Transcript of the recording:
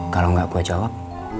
kalau gak gue jawab